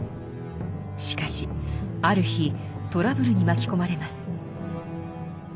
しかしある日トラブルに巻き込まれます。